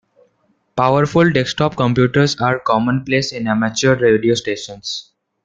Powerful desktop computers are commonplace in amateur radio stations.